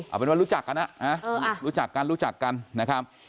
เอาเป็นว่ารู้จักกันนะรู้จักกันรู้จักกันนะครับ